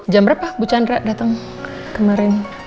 jam berapa bu chandra datang kemarin